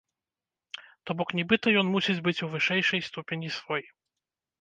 То бок нібыта ён мусіць быць у вышэйшай ступені свой.